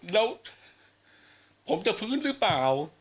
แล้วผมจะฟื้นหรือเปล่า